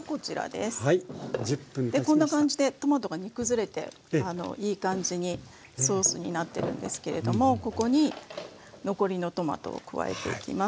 でこんな感じでトマトが煮崩れていい感じにソースになってるんですけれどもここに残りのトマトを加えていきます。